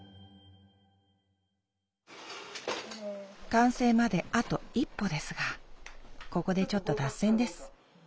完成まであと一歩ですがここでちょっと脱線です